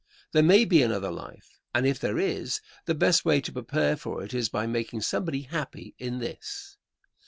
There may be another life, and if there is, the best way to prepare for it is by making somebody happy in this.